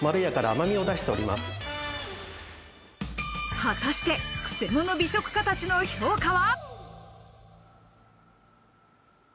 果たして、クセモノ美食家たちの評価は。